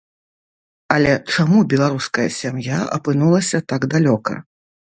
Але чаму беларуская сям'я апынулася так далёка?